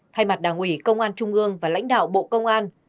thay mặt đảng ủy công an trung ương và lãnh đạo bộ công an